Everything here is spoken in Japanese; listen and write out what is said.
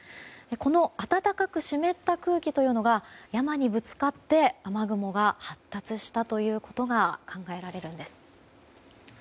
この暖かく湿った空気というのが山にぶつかって雨雲が発達したということが考えられるんです。